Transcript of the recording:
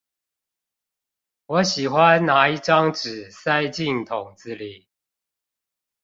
我喜歡拿一張紙塞進桶子裡